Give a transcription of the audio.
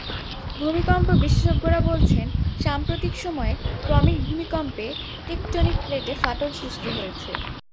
ভূমিকম্প বিশেষজ্ঞরা বলছেন, সাম্প্রতিক সময়ে ক্রমিক ভূমিকম্পে টেকটোনিক প্লেটে ফাটল সৃষ্টি হয়েছে।